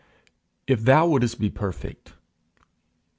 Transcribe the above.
'If thou wouldest be perfect.' ST.